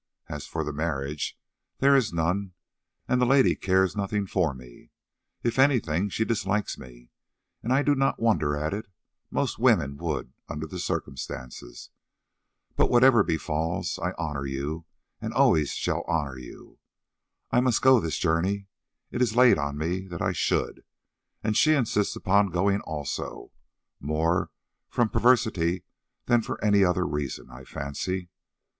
As for the marriage, there is none, and the lady cares nothing for me; if anything, she dislikes me, and I do not wonder at it: most women would under the circumstances. But whatever befalls, I honour you and always shall honour you. I must go this journey, it is laid on me that I should, and she insists upon going also, more from perversity than for any other reason, I fancy.